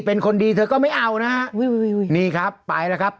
เป็นคนดีเธอก็ไม่เอานะฮะอุ้ยอุ้ยอุ้ยนี่ครับไปแล้วครับ